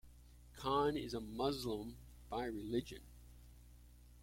Khan is a Muslim by religion.